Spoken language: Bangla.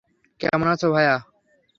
কেমন আছ, ভাইয়া?